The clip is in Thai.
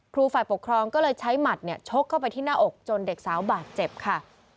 ฝ่ายปกครองก็เลยใช้หมัดชกเข้าไปที่หน้าอกจนเด็กสาวบาดเจ็บค่ะ